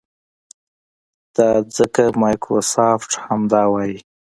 دا ځکه مایکروسافټ همدا وايي.